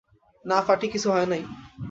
না ফাটি, কিছু হয় নি।